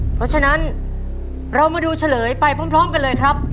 เพราะฉะนั้นเรามาดูเฉลยไปพร้อมกันเลยครับ